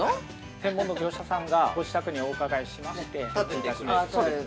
◆専門の業者さんがご自宅にお伺いしてまして◆建ててくれる。